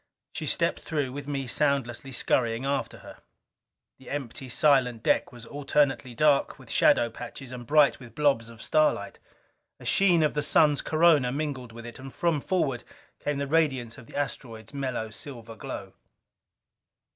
She stepped through, with me soundlessly scurrying after her. The empty, silent deck was alternately dark with shadow patches and bright with blobs of starlight. A sheen of the Sun's corona was mingled with it; and from forward came the radiance of the asteroid's mellow silver glow.